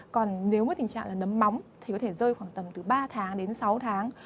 còn nếu tình trạng là nấm móng thì có thể rơi khoảng tầm từ ba tháng đến sáu tháng